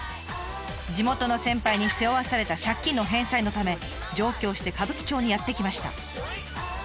地元の先輩に背負わされた借金の返済のため上京して歌舞伎町にやって来ました。